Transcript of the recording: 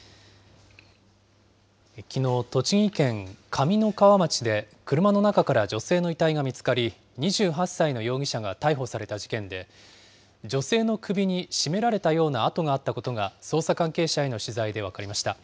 きのう、栃木県上三川町で車の中から女性の遺体が見つかり、２８歳の容疑者が逮捕された事件で、女性の首に絞められたような痕があったことが捜査関係者への取材で分かりました。